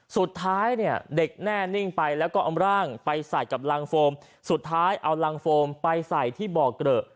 สุดท้ายเนี่ยเด็กแน่นิ่งไปแล้วก็เอาร่างไปใส่กับรังโฟมสุดท้ายเอารังโฟมไปใส่ที่บ่อเกลอะ